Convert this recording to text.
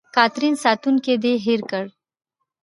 کاترین: ساتونکی دې هېر کړ.